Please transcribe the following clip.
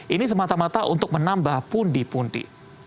ini semata mata untuk menambah pundi pundi